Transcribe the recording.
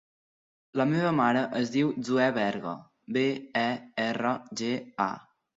La meva mare es diu Zoè Berga: be, e, erra, ge, a.